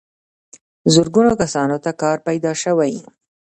زرګونو کسانو ته کار پیدا شوی.